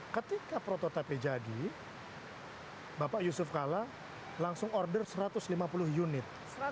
ketika prototipe jadi bapak yusuf kala langsung order satu ratus lima puluh unit